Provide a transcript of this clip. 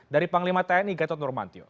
dari panglima tni gatot nurmantio